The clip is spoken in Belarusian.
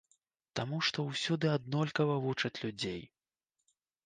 Таму што ўсюды аднолькава вучаць людзей.